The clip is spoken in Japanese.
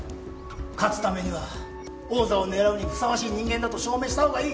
勝つためには王座を狙うにふさわしい人間だと証明したほうがいい。